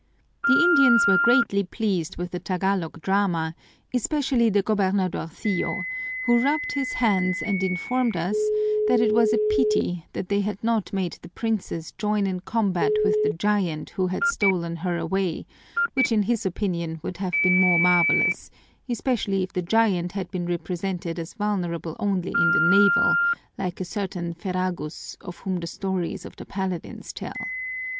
The Indians were greatly pleased with the Tagalog drama, especially the gobernadorcillo, who rubbed his hands and informed us that it was a pity that they had not made the princess join in combat with the giant who had stolen her away, which in his opinion would have been more marvelous, especially if the giant had been represented as vulnerable only in the navel, like a certain Ferragus of whom the stories of the Paladins tell.